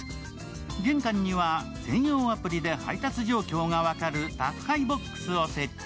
玄関には専用アプリで配達状況が分かる宅配ボックスを設置。